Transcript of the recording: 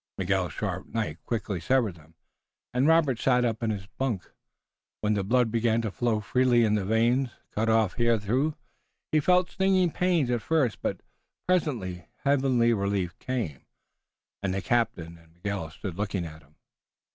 Miguel's sharp knife quickly severed them, and Robert sat up in the bunk. When the blood began to flow freely in the veins, cut off hitherto, he felt stinging pains at first, but presently heavenly relief came. The captain and Miguel stood looking at him.